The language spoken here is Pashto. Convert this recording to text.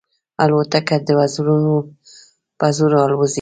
الوتکه د وزرونو په زور الوزي.